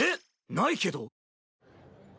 ないけど？